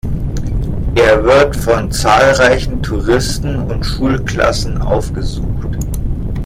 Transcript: Er wird von zahlreichen Touristen und Schulklassen aufgesucht.